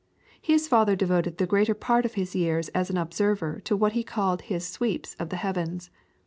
His father devoted the greater part of his years as an observer to what he called his "sweeps" of the heavens.